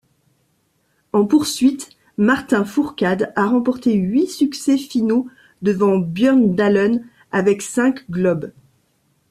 En poursuite, Martin Fourcade a remporté huit succès finaux devant Bjørndalen avec cinq globes.